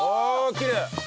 きれい！